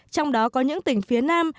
trong đó có những tỉnh phía nam